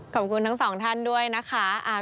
ขอบคุณทั้งสองท่านด้วยนะคะ